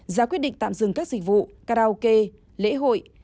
giá quyết định tạm dừng các dịch vụ karaoke lễ hội